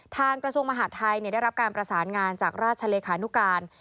กระทรวงมหาดไทยได้รับการประสานงานจากราชเลขานุการ